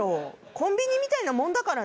コンビニみたいなものだからね。